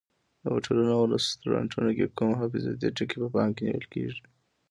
د هوټلونو او رستورانتونو کې کوم حفاظتي ټکي په پام کې نیول کېږي؟